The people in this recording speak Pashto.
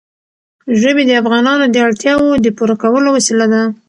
ژبې د افغانانو د اړتیاوو د پوره کولو وسیله ده.